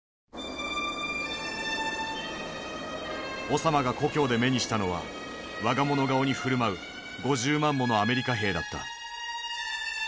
オサマが故郷で目にしたのは我が物顔に振る舞う５０万ものアメリカ兵だった。